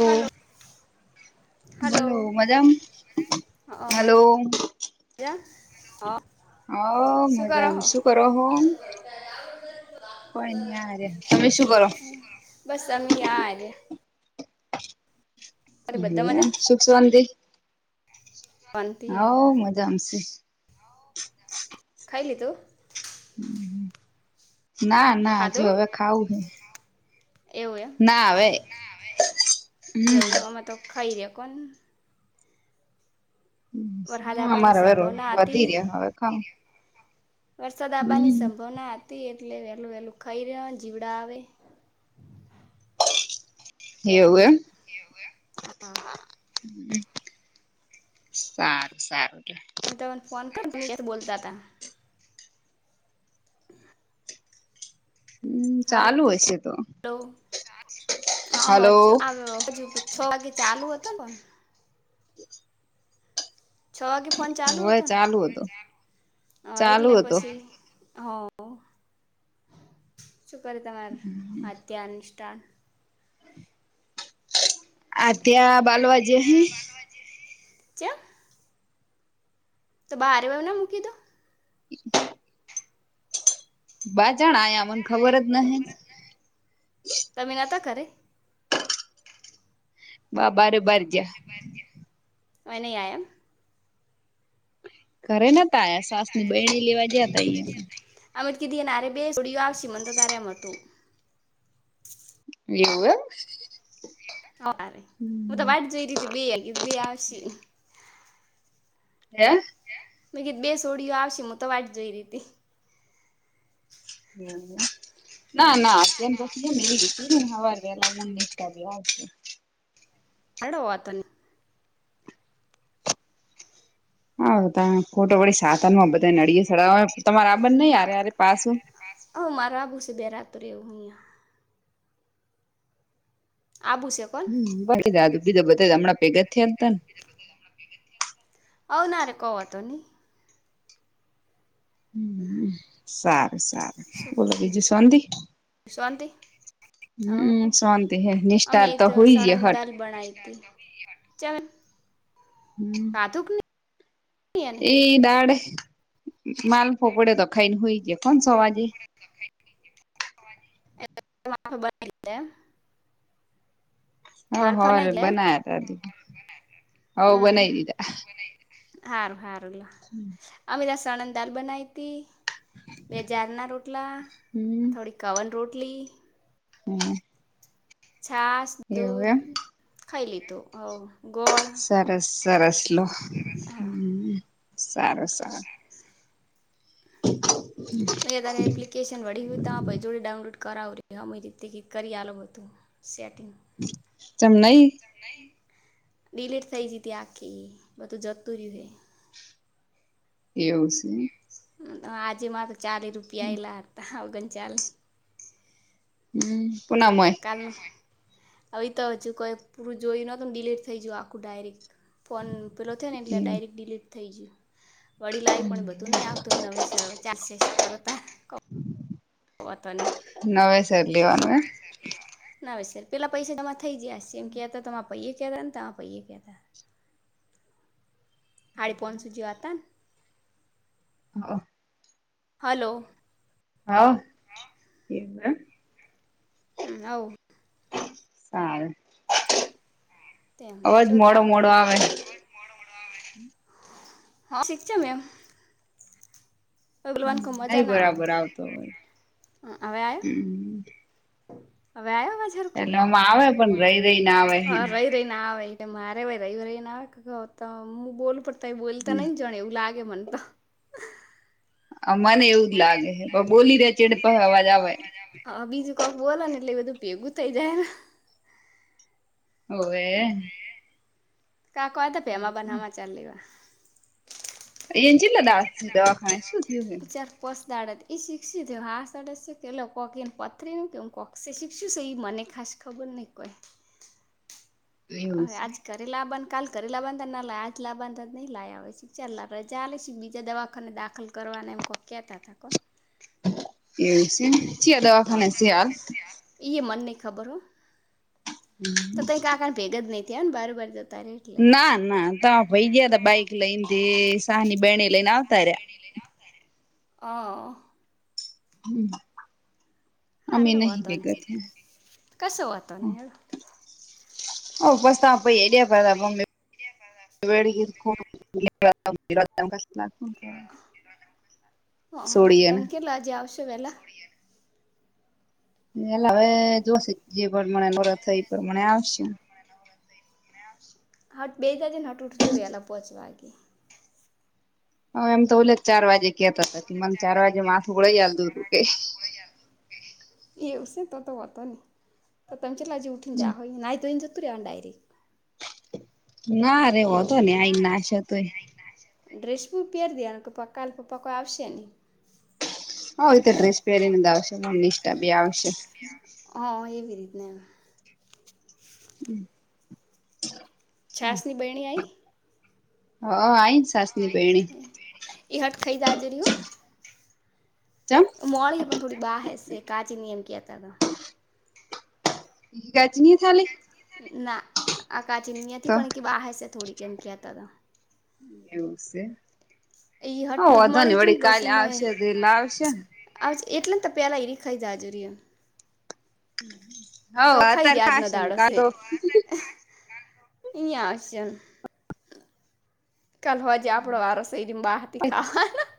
ઓ hello hello બોલો મજામ હ. હલો હ. હ મજાને શું કરો હો? કોઈ નઈ યાર તમે શું કરો? બસ અમી આર્ય. અરે એવુ બધા એમ મજા સુખસવંતી? શાંતિ હે હાઓ મજામશી ખાઈ લીધું? હમ્મ-હમ્મ ના ના ખાધું હજી હવે ખાવું હે. એવું એમ ના હવે હમ એવું એમ અમે તો ખાઈ રહ્યા કોન. વરહાદ ના અબ્બાની અમારે હવે રો સંભાવના હતી. વધી રહ્યા હવે ખાવ વરસાદ આબ્બાની હમ સંભાવના હતી એટલે વહેલું વહેલું ખાઈ રયા જીવડા આવે હે. એવું એમ હ્. હમ્મ સારું સારું લે. તમન ફોન કર વ્યસ્ત બોલ્તા તા. [inaudible] હમ્મ ચાલુ હશે તો. હલો હ હલો હજુ હજુ છ વાગે ચાલુ હતો ફોન. છ વાગે ફોન ચાલુ હવે હતોન ચાલુ હતો હ ચાલુ એટલે હતો પછી. હ શું કરિ તમાર આધ્યા નિષ્ટા આધ્યા બાલવા જ્ય હિ ચ્યા તો બા હારે ન મૂકી દો [inaudible] બા ચાણ આયા અમન ખબર જ નહી તમે નતા ઘરે? બા બારે બાર ગયા વોય નહી આયા એમ ઘરે નતા આયા સાસની બેઈણી લેવા જયા તા ઈ અમેતો કીધુ ઇયન હારે બે સોડીયું આવશે મન તો તારે એમ હતું. એવુ એમ હવારે હું તો હમ વાટ જોઈરીતિ બેયનિ કીધું બે આવશિ હે મે કીધું બે સોડીઓ આવશે મું તો વાટ જોઈ રી હતી. એવુ એમ ના ના આધ્યા [unintelligible] હેડો [unintelligible] હારુ તાણ ખોટુ વડી સાધનમાં બધાને હડીએ સડાવા તમારે આબ્બાન નઈ હારે હારે પાસુ [unintelligible] આબું શે હમ્મ વડી જાજુ બીજ બધા હમણાં ભેગા થયા હતા ને [unintelligible] હમ્મ સારું સારું બોલો બીજી શોન્તી શોન્તી હ શાંતિ હે નિષ્ઠા અમે તો હોય સણંદ હટ દાલ બનાઈ હતી. ચ [inaudible] ખાધું કે નહી ઈ દાડ માલફો પડ્યો તો ખઈને હુઈ ગયા કોન દાડે [inaudible] હ માલફા હવાર નઈ દે બનાયા તા હઓ હમ બનાવી દીધા. હારું હારું લો [inaudible] અમે આજ સણંદ દાલ બનાઈ હતી બે જારના રોટલા હમ થોડીક કવન રોટલી [inaudible] છાસ દૂધ [unintelligible] ખાઈ લીધું ગોળ સરસ સરસ લો હા સારું સારું [inaudible] મેં ત્યારે એપ્લિકેશન વડી હત તો આ ભાઈ જોડે ડાઉનલોડ કરાવું રહી હ એ રીતે કત કરી આલો હતું શેટીગ ચમ નઈ ડીલેટ થઈ ગઈ તી આખી બધું જતું રહ્યું હે એવુ સે આજે મા તો ચાલી રૂપિયા એલાતા ઓગન ચાલી હમ્મ [unintelligible] કલે આવી તો હજુ કોઈ પૂરું જોયું નતુંને ડિલેટ થઈ જાઉ આખું ડાયરેક્ટ ફોન પેલો થયો ને એટલે આ એવું ડાયરેક્ટ ડીલીટ થઈ જયું વડી લાઈવ પણ બંધ તું નહી આવતું નવી સરળ ચાલશે શું કરતા [inaudible] નવેસર લેવાનું [unintelligible] નવેસર પેલા પૈસા તમા થઇ જયાશે [unintelligible] હાડી પોંસો જ હતાને હા. હલો હા [unintelligible] હમ આવ હારું તેમ અવાજ જોતા મોડો મોડો પડે આવે હા શીખ છે મેમ [unintelligible] મજા નઈ ના બરાબર આવતો હોય આવે હ હવે આયો હમ હવે આયો અવાજ હરખું એલે આમાં આવે પણ રહી રહીને આવે એ ના આવેઈ કે મારે ભાઈ રહી ર એ ના હું બોલું પડતા એ બોલતા નઈ જાણે એવું લાગે મને તો મને એવું જ લાગે છે પણ બોલી રે ચડે પ અવાજ આવે હા બીજું કોક બોલો ને એટલે એ બધું ભેગું થઈ જાય ને ઓવે કાક આ ત ભે એમાં બના ચાલ લેવા એ જ લ દ દવાખ અ્ ચાર કોસ દડત એ શીખષી હાસ દડત છે કે કોક એને પથરીને કે હું કોક્ષ શીખશું એ મને ખાસ ખબોને કોય હ એવું છે. આજકાલ ેલાાબંધ કાલ કરેલાાબંધ ના લ આ જ લાબંધ જ નહીં લાવ આવે છે ચાલ રજા બીજા દવાખાને દાખલ કરવાને એમ કોઈ કહેતા હતા કોણ એમ છ દવા ખા છે હાલ મનને ખબર હો તો ત ક કારણ ભેગા જ નહીં થયા ને બારબાર જ ત રેટ ના ના તો ભઈ ગયા ત બાઈક લઈને શહની બેને લઈને આવતા રહ્યા હ હમ હા હડો વાતો ન થયા. કશો વાતો ન હડો ઓ પાસ અ એડીિયા પાડી સોડીએ લાે આવશે વેલા એેલા હવે જોશે જે પણ મને નરત થ એ પણ મને આવશે હટ બે દાદીને હટ ઉઠજએ એલાલે પહોંચવાગે હ એમ તો ઓલે ચાર વાગે કેતા હતા કે મને ચાર વાજે માથુંળાઈ જલ દૂર કે એવશે તો હોતો ને તો તમચ આજજી ઉઠને જા હોય ના તો એને જતું રેવાનું ડાયરેક્ટ ના ર ત્યો હોતો ને આય નાશ હતોુંય ડ્રેસ બ પહેર દનું કે પક્કાપપક્કો આવશે નહી હ રીતે ત્રીસ પહેરીનેંદ આવશે મ નિષઠા બી આવશે હ એવી રીતને હમ છસની બેહેણી આવીઈ હ આઈ સાસની પેણી એહટ ખરીદ જ રહીું જપ મોડીીએ પણ થોડી બાહ હશે કાચી નિ એમ કહેતા હતા ગખક ક જની થાલી ના અકાચીની હતી તો પણ કે બહાર છે થોડી કેમ ક હતા હતા એવું છે ઈ હ હટ દૂધ વધો નને મળી ગયું વળી કાલે આવશે રેલા આવશેને આવે એટલેને તો પહેલા એ ર ખાઈ જ હજુરીએ હમ અ ખાઈ યાજ ન દાડશે અહીં હશે એમ કાલલેવાજે આપણો વારો સૈરી બાહથી ખાવાના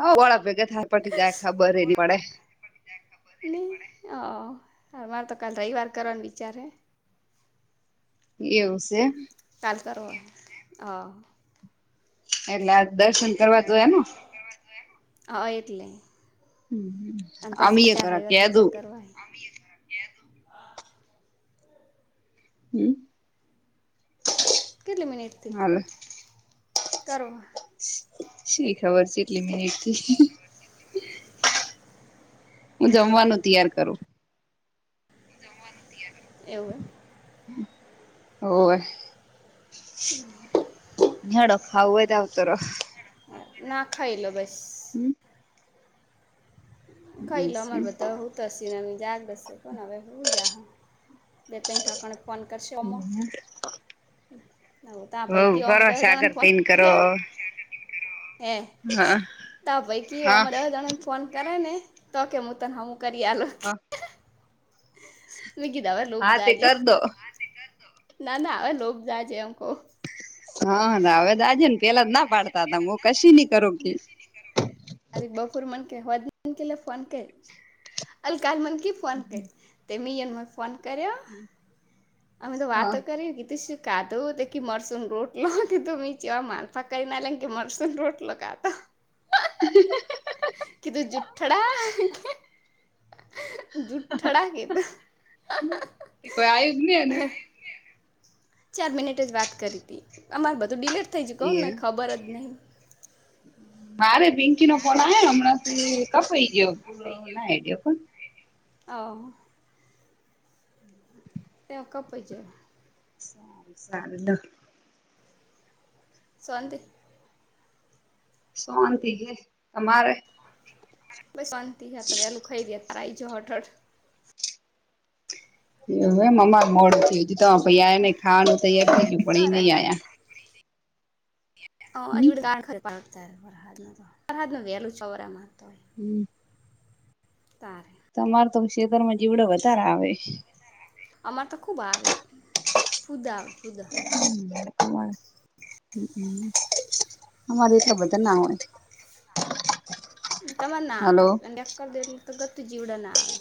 હ વાળા ભેગા થાય પટી દાય ખબર એની વડે હ અમારે તો કાલ રવિ વાર કરવાનું વિચારે એવું છે કાલ કર હોો હ એટલે આ દર્શન કરવા તો એનું હા એટલે અને અમી પછી એ ચાર કરા રવિવાર કેદું બીજા કરવાય હમ કેટલી મિનિટથી હાલ કરવામાં શ ખબર છેકેટલી મિનટથી હું જમવાનું તૈયાર કરું એવું હોર હમ હેડો ખાવુ હોય આવતાર ના ખાઈ લો બસ હમ કાલા મારબતા [inaudible] તોસી નમી જક દસેકો નવે બ જાા હ બે ત ઠકોણ ફોન કરશે યોમો હો પૈકી અમે કરો દસ જણને સાગર ફોન તન કર કરો ગયા હે હા તા ભાઈ કયો હા અમા દવા જણા ને ફોન કરાય ને તા કે હું તને હમુ કરી આલુ મુકી દવા હા તે લભધાજે કર દો ના ના હવે લોભ જાયજે અંકો હા હવે દાજે ને પેલા જ ના પાડતા હતા હું કશી ની હમે ન કર તારી બપોર મન કે હો મન કે લે ફોન કર અલ કાલ મન કે ફોન કર તેમને ફોન કર્યો અમે તો હા વાતો કરી કીધુ શું ખાધુ તો કે મરસુ રોટલો કે તો જેવા માલફા ક કરીઈ ના કે મરસુ રોટલો કાતા હ કિ ધું જૂઠડા કે જૂઠઠાડા કે તો કોઈ આવ્યું જ નહી ને ચાર મિનિટ જ વાત કરી હતી અમારે બધું ડીલેટ થઈ જય કને એ ખબર જ નહીં મારે પિંકી નો ફોન આવ હમણાં કપાઈ ગયો પૂ ના દેવ હ ત્યાં કપૈ જો સાર શવાંતિ શોંતિ છે તમારે બસ શાંતિ છેયા ત વેલું ખાઈ ગયા ત આવીજ હટળ એવ એમ અમાર મોડે છે હજી તમાર ભાઈ આયા નહી ખાવાનું તૈયાર થઈ ગયું પણ એ નઈ આ્યા હવડ હમ દાણ ખર પળતા વરહદ ન તો વરદ ન વેલ ચોરા માતો હોય હમ તારે તમાર તો ખેતર માં જીવડો વધારે આવે અમાર તો ખુબ આવી ફુદા ફુદા હ અમારી ખબર તમાર ના આવે હલો કરી દો એટલે તો ગતું જીવડા ના આવે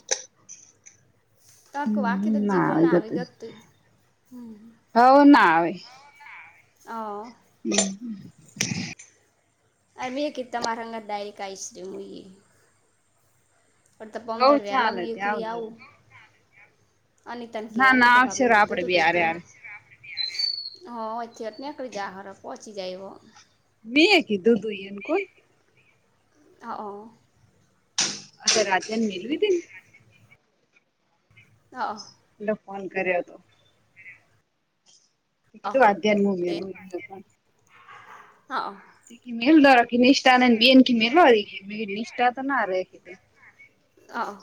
તણ કો આખે હમ તો જીવડે આવે ના આવી ગતું ગતતું હમ હવ ના આવે હ હમ અમીર ક તમાર રંગત ડાયરી કાઈશ્રીમુંએ ફતા પમ હવ દાડ વેલા ચાલે હું, ત્યાં એકલી આવજો આવું અનિતાની ના ક ના અનિતા આવશે ભાાવીન ઘીું આપડે તું બે હારે ગીતોું હારે હ, એથી તને કરી જા ઘર પચી જાયવ મી કીધુંધુ એન, કોણ હ. આ રાત્યાની મેલવી તેને હા. એટલે ફોન કર્યો હતો. હા હું, અધ્યાયન તે ભૂમિનું એ હા. મ દર નિષ્ઠા ન બેન મલવા નિષ્ઠા તો ના રધું અ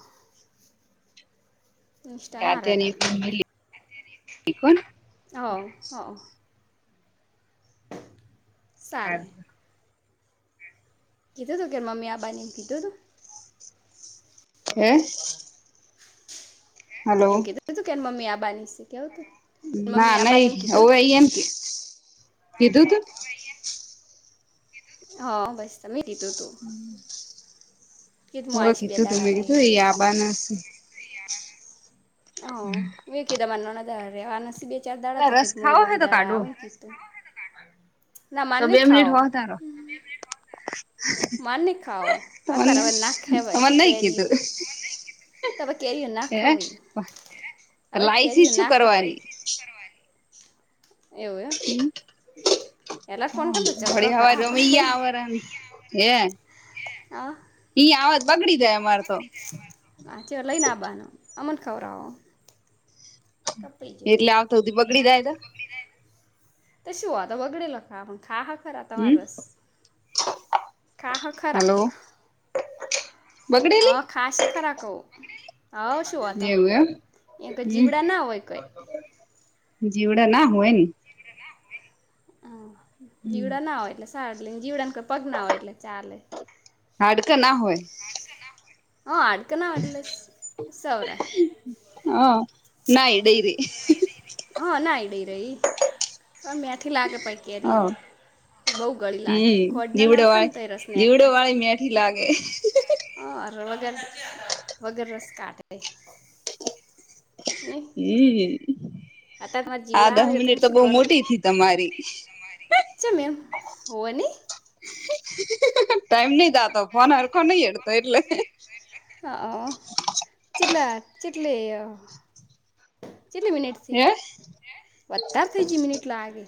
સ્ટના હાર આધ્યાન હતા એકલી મેલી કોણ હો, હો ચાલે હારું. કીધો હતો કે મમ આબાનેમ કીધો હતો હે હલો એમ કીધું ત તું કેને મમ્મ આ બાાનીશે કેવું તું ના, મમ્મી નહી આબાને એમ કીધું હવે તું અહી એમ કીધું તું હા, બસ તમે દી ઓ હું આઈશ બે કીધું તું, દાડા મેમે રહે કીધું એ એવી આબના હ વ કી દ મને અન બે ચાર દાડા અલા રસ તકીત મું એ ખાવો બ હે બી તો દાડા કાઢો આવન ના મ તો બે મિનિટ ખાઓ હો તારો. મા ન ખાઓ, અત્યારે તમને હવે ના ખહેવાય તમને નઈ કીધું કેરયું તમે, કે ના ખ હે. ભી હવે લાઈસી કેરીય શું ના ખવા કરવાની એવું, એ પેલા ફોન કર ઝગડો કર આપડે કર હે આ ઈ, આવાજ બગડી જાય અમારે તો હાચ લઈનેબાનું અમને, ખવર આવો એટલે, આવતોધી બગડી જાય તો ત શ હો આ વગડેલો ખા પણ, ખા હા ખરા આ મા હમ રસ ખા હ ખરા હલો હ, બગડેલી ખાશે ખરા કો. હ, શુંતો એવું એમ એયા કોઈ જીવડા ના હોય કઈ જીવડ ના હોય. હ જીવડા ના હોય, એટલે સારા લને જીવડાને કોઈ, પગ ના હોય એટલે ચાલે હાડકા ના હોય. હ અડકનાવાલ સૌરા હ, નાઈ ડઈરી હા, નાઈ ડઈ રહી પણ મેથી લાગે પ કેરી હ બઉ ગળી લાગી, હમ ખોડના જીવડો નાખ ને તો વાળી રસને જીવડો વાળી મેઠી લાગે આ હ વગર, વગર રસ કાઢે લ હમ, આ જીવડા દહ આવે તમે મિનિટ તો શું બહ મોટી થી તમારી છે, મે એમ હોવા ન ટાઈમ નહ દાતો ફોન હરખો નહ હેડતો એટલે હ, ચટલા ચટલી કેટલી મિનિટથી હે વધારે થજી મિનિટ લાગે